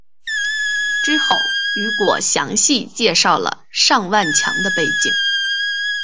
之后雨果详细介绍了尚万强的背景。